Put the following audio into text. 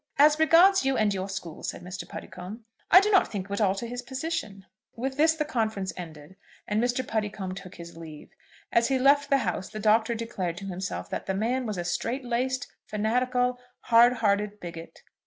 "As regards you and your school," said Mr. Puddicombe, "I do not think it would alter his position." With this the conference ended, and Mr. Puddicombe took his leave. As he left the house the Doctor declared to himself that the man was a strait laced, fanatical, hard hearted bigot.